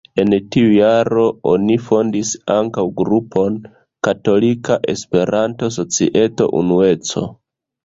En tiu jaro oni fondis ankaŭ grupon Katolika Esperanto-Societo Unueco.